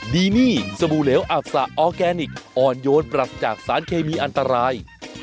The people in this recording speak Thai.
ดีนี่สบู่เหลวอับสะออร์แกนิคอ่อนโยนปรัสจากสารเคมีอันตราย